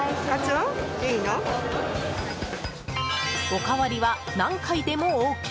おかわりは何回でもＯＫ！